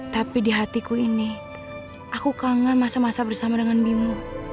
tapi di hatiku ini aku kangen masa masa bersama dengan bimu